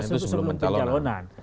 itu sebelum mencalonan